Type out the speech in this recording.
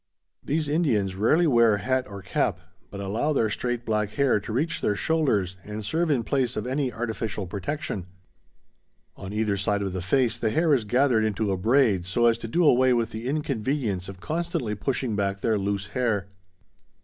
These Indians rarely wear hat or cap, but allow their straight black hair to reach their shoulders and serve in place of any artificial protection. On either side of the face the hair is gathered into a braid so as to do away with the inconvenience of constantly pushing back their loose hair.